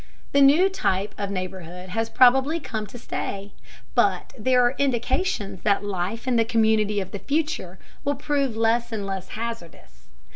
The new type of neighborhood has probably come to stay, but there are indications that life in the community of the future will prove less and less hazardous.